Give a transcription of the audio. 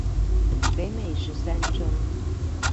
北美十三州